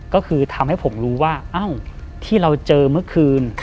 ก็คือทำให้ผมรู้ว่าอ้าวที่เราเจอเมื่อคืน